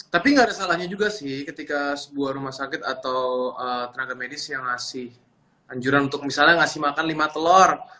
tapi nggak ada salahnya juga sih ketika sebuah rumah sakit atau tenaga medis yang ngasih anjuran untuk misalnya ngasih makan lima telur